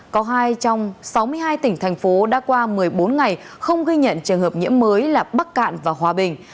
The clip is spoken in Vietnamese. có hai trong sáu mươi hai tỉnh thành phố đã qua một mươi bốn ngày không ghi nhận trường hợp nhiễm mới là bắc cạn và hòa bình